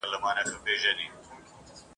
ړوند په څراغ څه کوي !.